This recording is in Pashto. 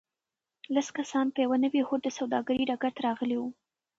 لس کسان په یوه نوي هوډ د سوداګرۍ ډګر ته راغلي وو.